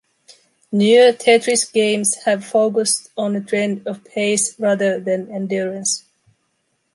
Newer "Tetris" games have focused on a trend of pace rather than endurance.